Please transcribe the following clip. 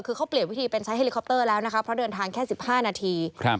คือเขาเปลี่ยนวิธีเป็นใช้เฮลิคอปเตอร์แล้วนะคะเพราะเดินทางแค่๑๕นาที